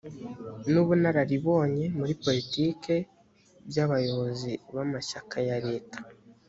n ubunararibonye muri poritiki by abayobozi b amashyaka ya leta